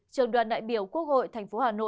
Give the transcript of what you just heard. trường đoàn đại biểu quốc hội tp hcm